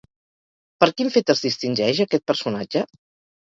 Per quin fet es distingeix, aquest personatge?